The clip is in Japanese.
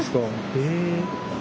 へえ。